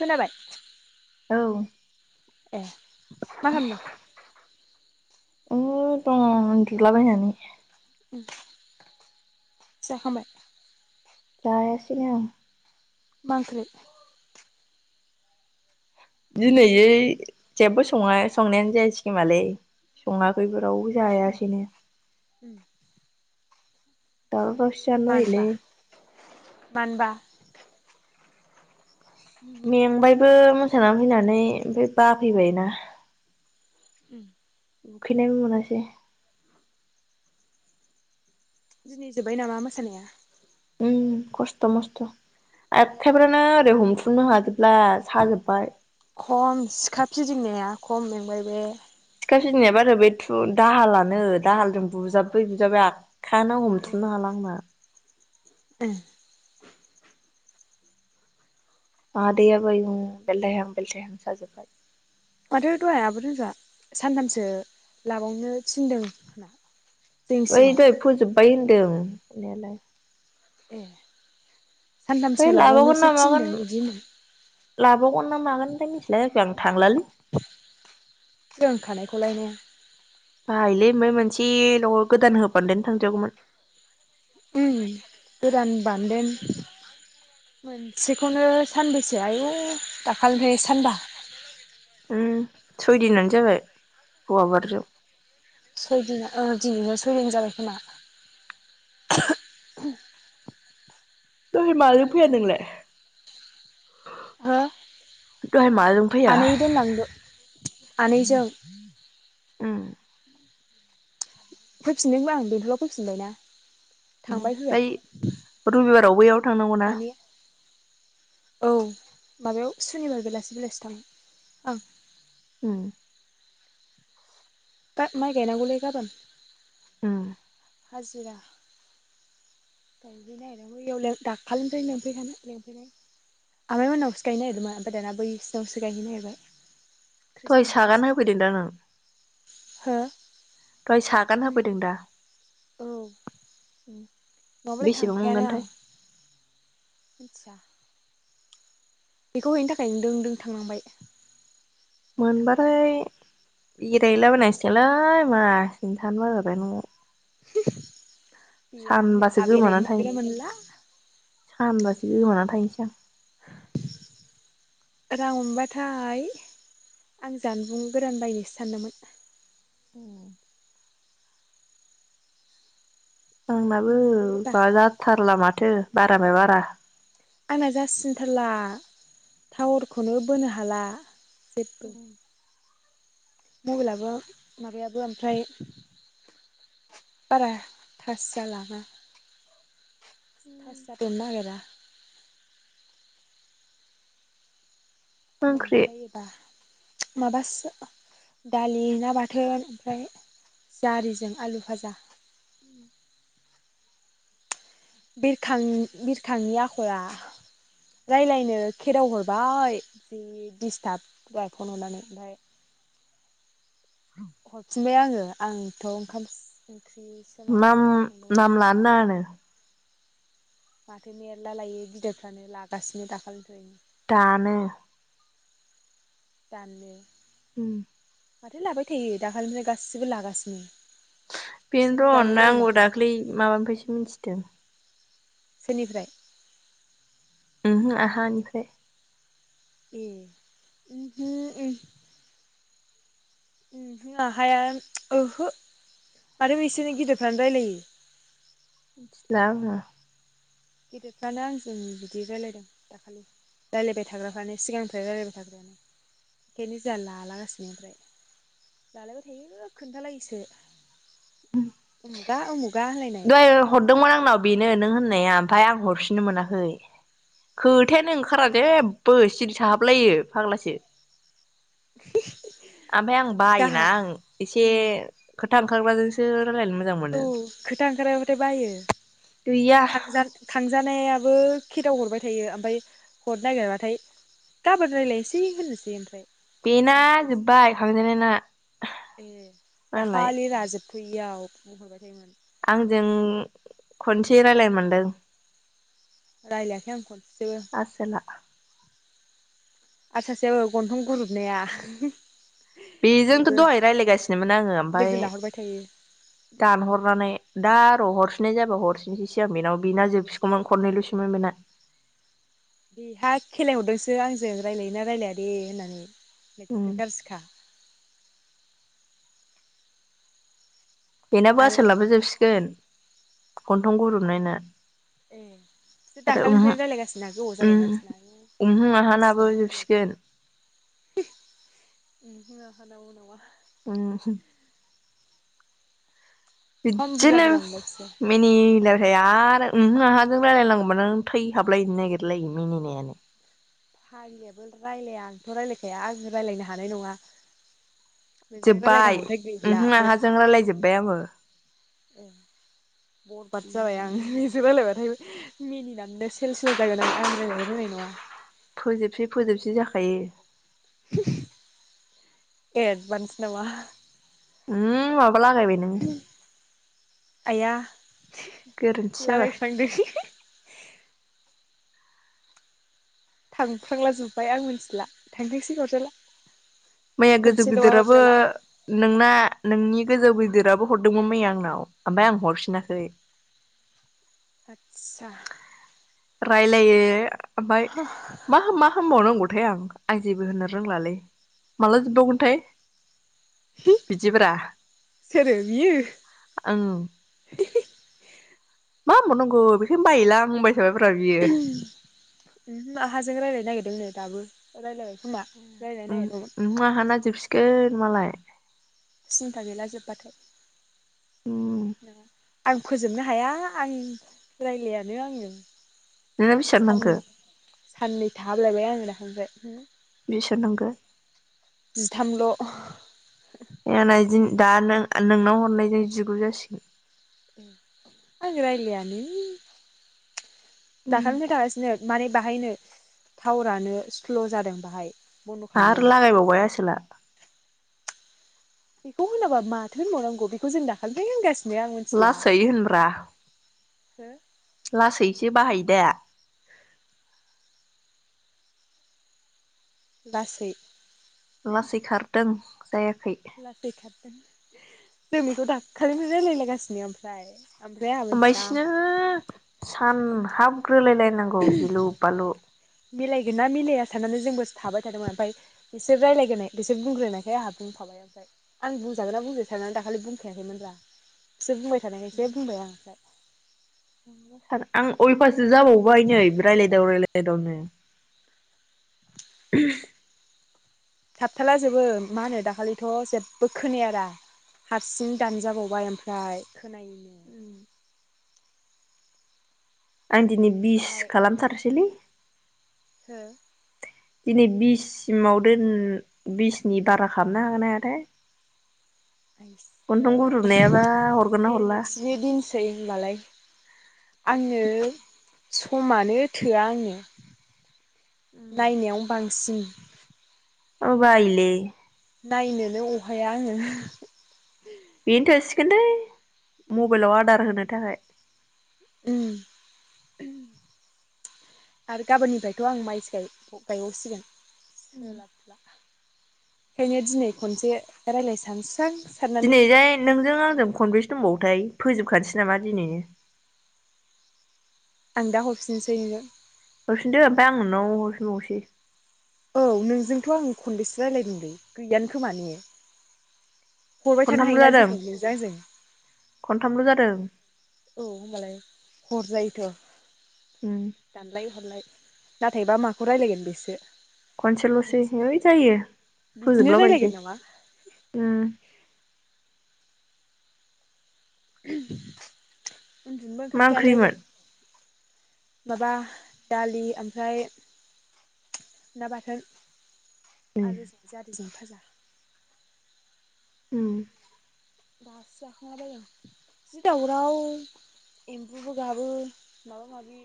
खोनाबाय? औ। ए मा खामदों? उम दं उनदुलाबायनानै। उम जाखांबाय। जायासैनो। मा ओंख्रि? दिनैयै जेबो सङा संनायानो जायाखिसै खोमालै सङाखैबो। रावबो उम जायासैनो। उम। [unintelligible] बायोलै मानबा मानबा मेंबायबो मोसानानै फैनानै ओमफाय बाफैबाय ना। उम। उखैनायबो मोनासै। दिनै जोब्बाय नामा मोसानाया? ओम खस्थ' मस्थ'। आखाइफ्रानो ओरै हमथुमनो हाजोबब्ला साजोबबाय। खम सिखा फिदिंनाया खम मेंबाय बे। सिखा फिदिंनाया बारा बे थु दाहालानो दाहालजों बुजाब्बै बुजाबबा खानो ए हमथुमनो हाला आंना। उम आ दे आबै बु बेलथायहां बेलथायहां साजोबबाय माथो दहाय आब' रनजुआ सानथामसो लाबावनो थिनदों होना। बै दहाय फोजोबबाय होन दोन होननायालाय एह ओमफाय लाबावगोन ना मागोन होनदों लाबावगोन ना मागोन मिथिला जेखुनु आं थांलालै। रोंखानायखौलाय [inaudible] बाहायलै बै मोनसेल' न'आव गोदान होबादोन थांजागौमोन उम गोरान बान्दों मोनसेखौनो सानबैसे आयु दाखालिनिफ्राय सानबा उम सयदिनानो जाबाय हौवा बारजों। सयदिन अ दिनैबा सयदिन जाबाय खोमा दहय माजों फैया नोंलाय? हो दहाय माजों फैया? आनै दोनलांदो आनैजों उम फैफिनदोंब्ला आं बेंथलाव फैफिनबायना थांबाय फाय रबिबाराव बैयाव थांनांगौ ना माने औ माबायाव सुनिबार बेलासि-बेलासि थाङो ओं उम दा माइ गायनाांगौले गाबोन उम हाजिरा गायहैनो नागिरदों बैयाव दाखालिनिफ्रायनो लेंंफैखानो लेंफैनाय आमाइमोननावसो गायनो नागिरदोंमोन ओमफ्राय दाना बैसिनावसो गायहै नागिरबाय फैसा गाना होफैदों दा नों? हा बै सागान होफैदों दा? औ नङाबालाय बेसेबां थांखायानो आं मोनगोनथाय मिथिया। बेखौ हैनो थाखाय दों दों थांलांबाय गोथां थेन बेरायलाबोनायसोलै मासि थानो बाबाय न आव [inaudible] बेरायनो सानबासो आहा बेरायनो गोमानानै थाय- मोनगोना मोनला सानबासो गोमानानै थाहनोसै आं रां मोनबाथाय आं जानबुं गोदान बायनोसो सानदोंमोन। उम आंनाबो मोनबाय बायबा बाजाथारला माथो बारा बाय बारा आंना जासिनथारला टावारखौनो बोनो हाला सेप [inaudible] मबाइलाबो माबायाबो ओमफ्राय बारा थास जालाङा थास जानो नागिरा ओंख्रि मोनबायबायोबा माबासो दालि ना बाथोन ओमफ्राय जारिजों आलु फाजा उम बिरखां-बिरखांनि आखला रायलायनो खेराव हरबाय जि डिस्टाब दहाय फन हरनानै ओमफ्राय हरफिनबाय आंङो आंथ' ओंखाम ओंख्रिसो नाम माबादोंमोन संदोंमोन नाम खोमा लानो नाङानो माथो मेरला लायो बिदाफ्रानो लागासिनो दाखालिनिफ्रायनो दानो दानो ओम माथो लाबाय थायो दाखालिनिफ्राय गासिबो लागासिनो बिसोरनो बेनो लालाय थ' लायो आंबो माथो दाख्लै माबानिफ्रायसो मिथिदों सोरनिफ्राय उमहु आहानिफ्रायाय ए [unintelligible] हाया ओहो आरो बिसोरनो गिदिरफ्रानो रायलायो नाङा गिदिरफ्रानो आंजों बिदि रायज्लायदों दाखालि रायज्लायबाय थाग्राफ्रानो सिगांनिफ्राय रायज्लायबाय थाग्रायानो ओंखायनो जोंहा लालागासिनो ओमफ्राय लालायबाय थायो खोन्थालायैसो उमुगा उमुग दहाय हरदोंमोन आंनाव बेनो नों होननाया होननाया ओमफफ्राय आं हरफिननो मोनाखै खोथायानो ओंखारा जेबो सिरि थाहाबलायोफाग्लासो ओमफफ्राय आं बायोना गाहा आं एसे उम ख थांखाग्राजोंसो रायलायनो मोजां मोनो दे बायो गैया थांजानायाबो खेदाव हरबाय थायो ओमफ्राय हरनो नागिरबाथाय गाबोन रायजलायनोसै होननोसै ओमफ्राय बेना मिनिथावसोना जोब्बाय खांजेननायना ए मालाय दाखालि राजोब बैयाव बुंहरबाय थायोमोन आंजों खनसे रायज्लाय मोनदों रायज्लायाखै आं खनसेबो आसोला आरो सासेयो गन्थं गुरुबनाया बेजोंथ' बेबो दहाय रायज्लायगासिनोमोन आंङो ओमफफ्राय लोगो लाहरबाय थायो दानहरनानै दा आरो' हरफिननाय जाबा हरफिनसैसो आं बेनाव बेना जोबसिगौमोन खननैल'सोममोन बेना बेहा खेलाय हरदोंसो आंजों रायजलायोना रायजलाया दे होननानै उम जि गाज्रिखा आरो आसाोलनाबो जोबसिगोन गन्थं गुरोबनायनो। ए बिसोर दाखालिनिफ्रायनो रायलायगासिनोना गोबाव उम जाबायना बिसिना उमहो आहानाबो बेसेबां जोबसिगोन [unintelligible] उमहो आहा [unintelligible] नंङा। उम। खम बुरजा बिदिनो बुरजा मोनबाय बिसोर मिनिनो होयो आरो ओमहो आहाजों रायलायनांगौबा नों थैहाबलायनो नागिरलायो मिनिनायानो। फाग्लियाबो रायलाया आंथ' रायलायखाया आंजों रायलायनो हानाय नंङा। जोब्बाय ओमहो आहाजों बरबाद रायलाय जोब्बाय आङो। बरबाद जाबाय आं नोंजों रायलायबा ओमफ्राय मिनिनानैनो सेल सेल जागोन आं आं रायलायनो रोंनाय नङा। फोजोबसै फोजोबसै जा खायो। [unintelligible] एडभान्स नामा? [unintelligible] लागायबाय नों। आया गोरोन्थि जाबाय। थांफ्लांला जोब्बाय आं मिथिला थांथोंसै अरजाला। मैया गोजौ गिदिराबो नोंना नोंनि गोजौ गिदिराबो हरदोंमोन मैया आंनाव ओमफ्राय आं हरफिनाखै। आतसा। रायलायो। ओमफाय मा मा हानबावनांगौ थाय आं आं जेबो होनो रोंलालै माला जोबबावगोनथाय। बिदिब्रा [unintelligible] सोरो बियो। ओं [unintelligible] [inaudible] मा बुंबावनांगौ बेखायनो बायोलां होनबाय थाबायब्रा बियो ओमहो आहाजों रायलायनो नागिरदोंनो। दाबो रायलायबाय खोमा रायलायनो नागिरदोंमोन ओम-ओमहो आहाना जोबसिगोन। मालाय। सिन्था गैला जोब्बाथाय। उम ना? आं फोजोबनो हाया आं रायलायानो आंङो। नोंना बेसेबां नांखो सान साननै थाहाबलायबाय आङो दाखालिनिफ्राय। हो? बिस होनांगो जिथामल' [inaudible] [unintelligible] दा नों नोंनाव हरनायजों जिगु जासिगोन। आं रायलायानो। उम दाखालिनिफ्राय थांगासिनो माने बाहायनो टावारानो स्ल' जादों बाहाय। बन्द' आरो खालामदों लागायबावबाय आसोला। इखौ होनाबा माथो होनबावनांगौ बेखौ जों दाखालिफाय होनगासि लासै होनब्रा लासैसो बाहाय। दे। लासै लासै खारदों। जायोब। लाटै खाथ जों बिखौ दाखालिनो रायलायलागासिनो ओमफाय। ओमबाय सिनो सानहाब। बोलायलायनांगौ गिलु बालु। मिलायगोन ना मिलाया साननानै जोंबोसो थाबाय थादोंमोन ओमफाय बिसोर रायलायग्रोनाय बिसोर बुंग्रोनायखाय आंहा बुंफाबाय आरोजाय आं बुंजागोनना बुंजाया सारनानै दाखालि बुंखायाखैमोनब्रा बिसोर बुंबाय थानायखायसो बुंबाय आं ओमफ्राय। सार आं उलफास जाबावबाय नै रायलायदाव रायलायदावनो। [unintelligible] थाबथाला जोबो मा होनो दाखालिथ' जेबबो खोनायारा हारसिं दानोजाबावबाय ओमफ्राय। खोनायो। आं दिनै बिस खालामथारसैलै। ओ। दिनै बिससिमाव दोन बिसनि बारा खालामनो हागोन ना हाया थाय। हरगोन [unintelligible] ना दे हरला नोंसिनि दिनसै ओमबालाय। आंङो समानो थोआ आंङो। नायनायाव बांग सिं औ बायोलै। नायनोनो अहाया आङो बेनो थोसिगोन दैै मबाइलाव आदार होनो थाखाय। उम आरो गाबोननिफायथ' आं माइसो गाय गायबावसिगोन। सोलाबब्ला। खायनो दिनै खनसे रायलाय सानोसां दिनैजाय नोंजों आंजों खनबेसे दंबावोथाय फोजोबखानोसै। नामा दिनि आं दा हरफिनोसै नो हरफिनदो ओमफाय आं नोंनाव हरफिनबावसै। औ नोंजोंथ' आं खनबेसे रायलायदोंलै गैयानो खोमा ने हरबाय थानो खनथामल' हायोना जादों जोङो नोंजों आंजों खनथामल' जादों। औ होमबालाय हरजायोथ' उम दानलाय हरलाय नाथायबा माखौ रायलायगोन बेसो खनसेल'सै हैइ जायो बिदिनो फोजोबलाबायसै रायज्लायगोन नामा उम [unintelligible] उन्दुनोबो मा ओंखारखायालै। ओंख्रिमोन माबा दालि ओमफ्राय ना बाथोन उम आलुजों जारिजों फाजा। उम दासो जाखांलाबायदों जि दावराव एम्बुबो गाबो माबा माबि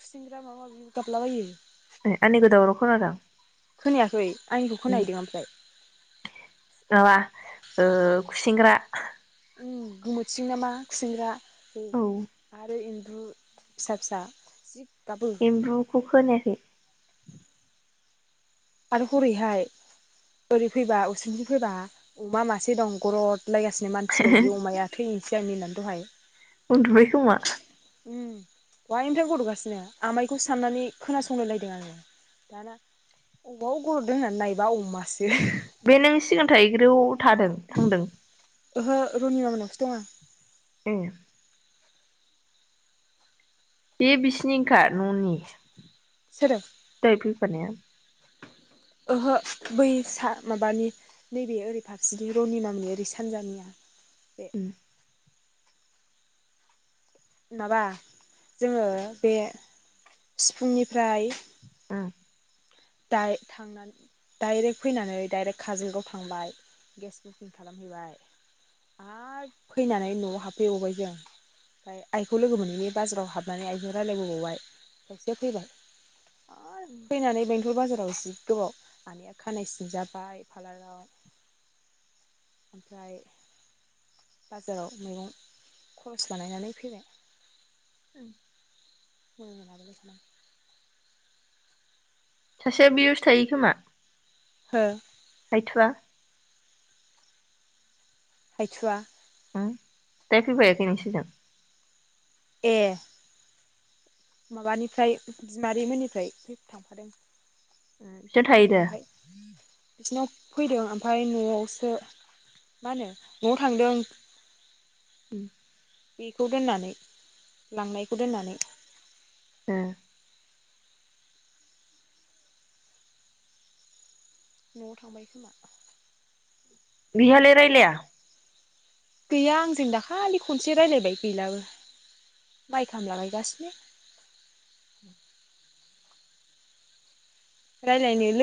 खुसिंग्रा माबा माबि गाबलाबायो। ए आंनि गोदावराव खोनादों खोनायाखै। आंनिखौ उम खोनाहैदों ओमफ्राय माबा ओ खुसेंग्रा उम गोमोथिं नामा खुसेंग्रा औ उम आरो इन बु फिसा फिसा जि गाबो एम्बुखौ खोनायाखै। आरो हरैहाय ओरै फैबा उसुंथिं फैबा अमा मासे दं गरद लायगासिनो मानसि बायदि अमाया थै सिगांनि होनना दहाय उन्दुबाय खोमा उम दहायनिफ्रायनो गर'दगासिनो आमाइखौ साननानै खोनासंलाय लायदों आङो दाना अबाव गर'ददों होननानै नायबा अमासो बे नों सिगां थायैग्रायाव थादों थांदों ओहो रनिमा मोननावसो दंङ' आं ए बे बिसिनि ओंखा न'नि सोरो दहाय फैफानाया ओहो बै सा माबानि नैबे ओरै फारसेनि रनिमामोननि ओरै सानजानिया बे उम माबा जोङो बे सिफुंनिफ्राय उम द थांनानै डाइरेक्ट फैनानै डाइरेक्ट काजलगाव थांबाय गेस बुकिं खालामहैबाय आरो फैनानै न'आव हाबफैबावबाय जों ओमफ्राय आइखौ लोगो मोनैनि बाजाराव हाबनानै आइजों रायजलायबोबावबाय ओमफ्रायसो फैबाय उम फैनानानै बे बाजाराव जि गोबाव आानैया खानाय सिन जाबाय पारलाराव ओमफाय बाजाराव मैगं खरस बानायनानै फैबाय ओं मोनाबोलै बिसिनाव सासेया बेयावसो थायो खोमा हो हायथुआ हायथुवा उम दा फैफायाखै नोंसिजों ए माबानिफ्राय बिमादै मोननिफ्रायफै थांफादों बिसिनाव थायो दा ओमफाय बिसिनाव फैदों ओमफाय न'आवसो मा होनो न'आव थांदों। उम बेखौ दोननानै लांनायखौ दोननानै ओ न'आव थांबाय खोमा बिहालाय रायलाया गैया आंजों दाखालि खनसे रायलायबाय गैलाबो मा लागायगासिनो रायलायनो लो